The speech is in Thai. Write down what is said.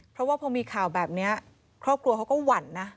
เพราะว่าพอมีข่าวแบบนี้ครอบครัวเขาก็หวั่นนะ